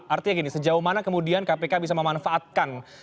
artinya gini sejauh mana kemudian kpk bisa memanfaatkan